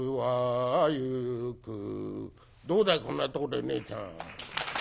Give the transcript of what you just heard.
「どうだいこんなとこでねえちゃん」。